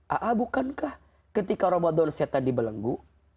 aa bukankah ketika ramadhan syetan dibelenggu